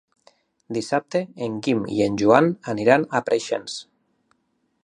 Dissabte en Guim i en Joan iran a Preixens.